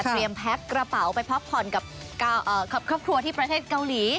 แพ็คกระเป๋าไปพักผ่อนกับครอบครัวที่ประเทศเกาหลี